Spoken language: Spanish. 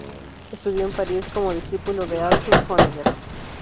Estudió en París como discípulo de Arthur Honegger.